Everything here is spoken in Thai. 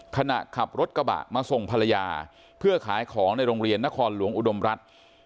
ขณะขับรถกระบะมาส่งภรรยาเพื่อขายของในโรงเรียนนครหลวงอุดมรัฐ